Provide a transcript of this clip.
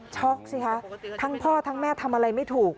สิคะทั้งพ่อทั้งแม่ทำอะไรไม่ถูก